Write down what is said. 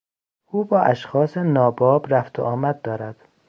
او با اشخاص ناباب رفت و آمد دارد.